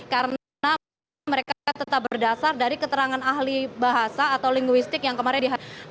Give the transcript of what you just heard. karena mereka tetap berdasar dari keterangan ahli bahasa atau linguistik yang kemarin dihadirkan